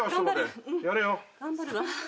頑張るわ。